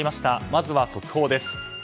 まずは速報です。